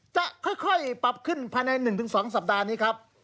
จะค่อยปรับขึ้นภายใน๑๒สัปดาห์นี้ครับ